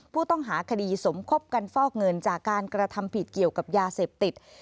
ผู้ต้องหาคดีสมคบกันฟอกเงินจากการกระทำผิดเกี่ยวกับยาเสพติด